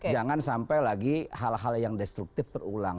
jangan sampai lagi hal hal yang destruktif terulang